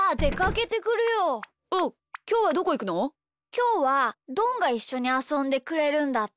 きょうはどんがいっしょにあそんでくれるんだって。